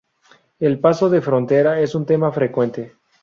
El paso de frontera es un tema frecuente.